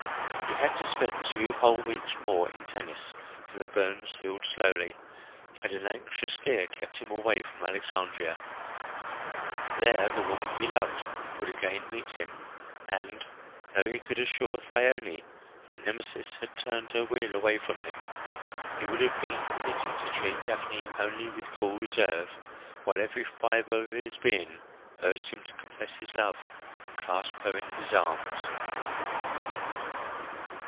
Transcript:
He had to spend two whole weeks more in Tennis, for the burns healed slowly, and an anxious fear kept him away from Alexandria. There the woman he loved would again meet him and, though he could assure Thyone that Nemesis had turned her wheel away from him, he would have been permitted to treat Daphne only with cool reserve, while every fibre of his being urged him to confess his love and clasp her in his arms.